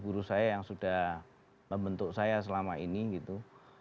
guru saya yang sudah membentuk saya selama ini gitu